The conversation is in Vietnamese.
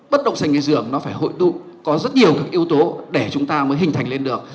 bất động sản nghỉ dưỡng nó phải hội tụ có rất nhiều các yếu tố để chúng ta mới hình thành lên được